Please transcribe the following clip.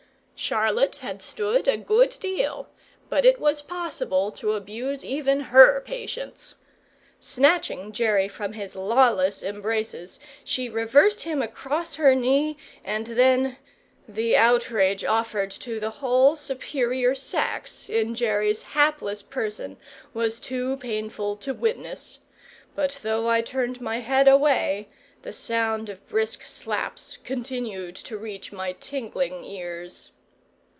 Charlotte had stood a good deal, but it was possible to abuse even her patience. Snatching Jerry from his lawless embraces, she reversed him across her knee, and then the outrage offered to the whole superior sex in Jerry's hapless person was too painful to witness; but though I turned my head away, the sound of brisk slaps continued to reach my tingling ears.